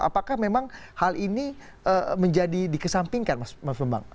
apakah memang hal ini menjadi dikesampingkan mas bambang